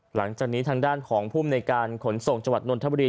หลังจากนี้ทางด้านของภูมิในการขนส่งจังหวัดนนทบุรี